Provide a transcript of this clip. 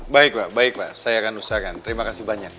baik pak baik pak saya akan usahakan terima kasih banyak